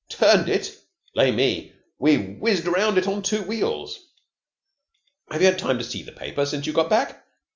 Turned it! Blame me, we've whizzed round it on two wheels. Have you had time to see the paper since you got back?